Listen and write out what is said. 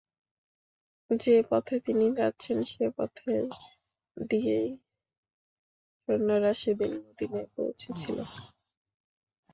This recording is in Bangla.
যে পথে তিনি যাচ্ছেন সে পথ দিয়েই সৈন্যরা সেদিন মদীনায় পৌঁছেছিল।